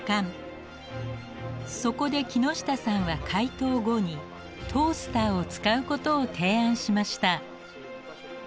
そこで木下さんは解凍後にトースターを使うことを提案しました。